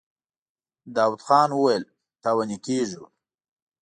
داوود خان وويل: تاواني کېږو.